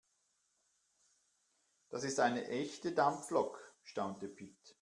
Das ist eine echte Dampflok, staunte Pit.